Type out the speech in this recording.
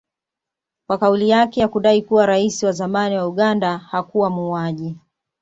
kwa kauli yake ya kudai kuwa rais wa zamani wa Uganda hakuwa muuaji